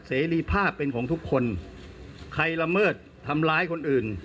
เสรีภาพเป็นของทุกคนใครละเมิดทำร้ายคนอื่น